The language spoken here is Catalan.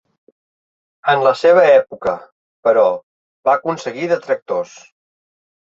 En la seva època, però, va aconseguir detractors.